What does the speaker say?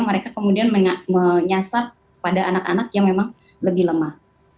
mereka kemudian menyasar pada anak anak yang memang lebih lemah